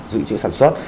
dự trữ sản xuất